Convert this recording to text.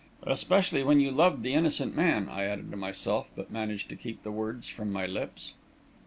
"Especially when you loved the innocent man," I added to myself, but managed to keep the words from my lips.